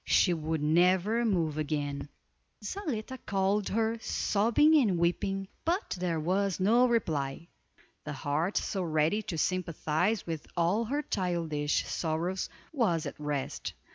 She would never move again. Zaletta called her, sobbing and weeping, but there was no reply. The heart so ready to sympathize with all her childish sorrows was at rest.